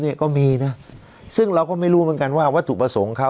เนี่ยก็มีนะซึ่งเราก็ไม่รู้เหมือนกันว่าวัตถุประสงค์เขา